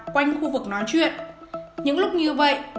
quanh khu vực nói chuyện những lúc như vậy